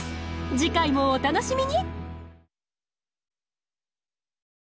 次回もお楽しみに！